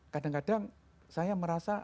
kadang kadang saya merasa